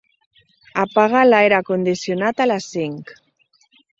Apaga l'aire condicionat a les cinc.